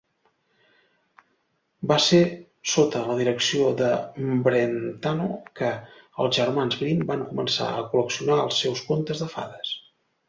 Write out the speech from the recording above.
Va ser sota la direcció de Brentano que els Germans Grimm van començar a col·leccionar els seus contes de fades.